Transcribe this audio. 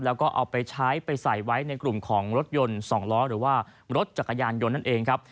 แล้วก็เอาไปใช้ไปใส่ไว้ในกลุ่มของรถยนต์๒ล้อหรือว่ารถจักรยานยนต์นั่นเองครับ